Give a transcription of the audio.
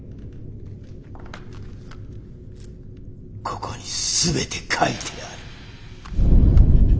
ここに全て書いてある。